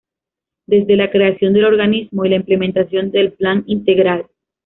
Desde la creación del organismo y la implementación del Plan Integral.